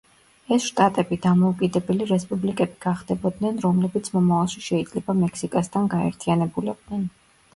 ეს შტატები დამოუკიდებელი რესპუბლიკები გახდებოდნენ, რომლებიც მომავალში შეიძლება მექსიკასთან გაერთიანებულიყვნენ.